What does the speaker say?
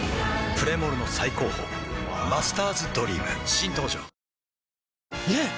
プレモルの最高峰「マスターズドリーム」新登場ワオねえ‼